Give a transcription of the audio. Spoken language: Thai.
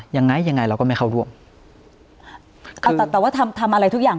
ยังไงยังไงเราก็ไม่เข้าร่วมเอาแต่แต่ว่าทำทำอะไรทุกอย่าง